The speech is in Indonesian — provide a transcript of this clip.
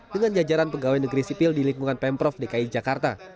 dengan jajaran pegawai negeri sipil di lingkungan pemprov dki jakarta